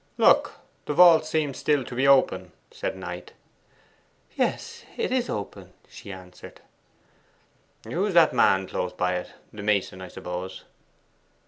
'Look, the vault seems still to be open,' said Knight. 'Yes, it is open,' she answered 'Who is that man close by it? The mason, I suppose?